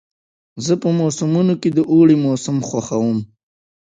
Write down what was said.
زه په موسمونو کې د اوړي موسم خوښوم.